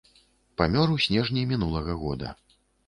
Памёр у снежні мінулага года.